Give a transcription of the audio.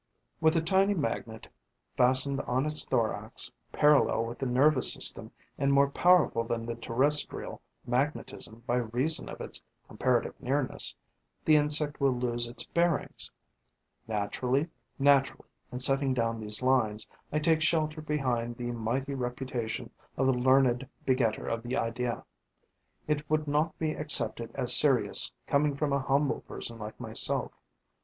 With a tiny magnet fastened on its thorax, parallel with the nervous system and more powerful than the terrestrial magnetism by reason of its comparative nearness, the insect will lose its bearings. Naturally, in setting down these lines, I take shelter behind the mighty reputation of the learned begetter of the idea. It would not be accepted as serious coming from a humble person like myself.